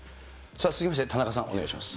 続きまして田中さん、お願いします。